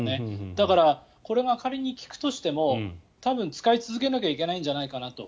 だから、これが仮に効くとしても多分、使い続けなきゃいけないんじゃないかなと。